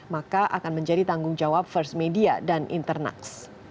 maka akan menjadi tanggung jawab first media dan internax